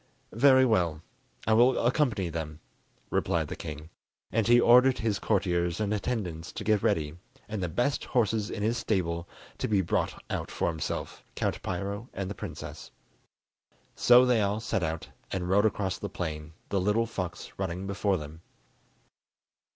"Very well, I will accompany them," replied the king; and he ordered his courtiers and attendants to get ready, and the best horses in his stable to be brought out for himself, Count Piro and the princess. So they all set out, and rode across the plain, the little fox running before them.